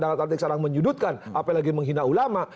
penasihat hukum menyudutkan apalagi menghina ulama